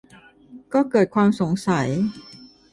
ก็เกิดความสงสัย